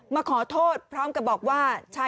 แถมยังไม่ยอมกลับอ่ะ